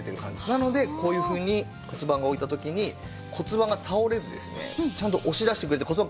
なのでこういうふうに骨盤を置いた時に骨盤が倒れずですねちゃんと押し出してくれて骨盤